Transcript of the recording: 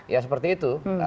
ya seperti itu